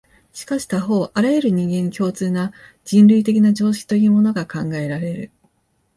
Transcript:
しかし他方、あらゆる人間に共通な、人類的な常識というものが考えられる。